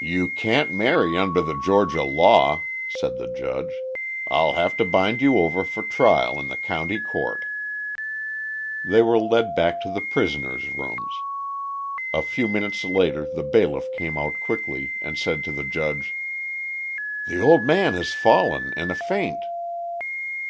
"You can't marry under the Georgia law," said the judge; "I'll have to bind you over for trial in the county court." They were led back to the prisoners' rooms. A few minutes later the bailiff came out quickly and said to the judge: "The old man has fallen in a faint."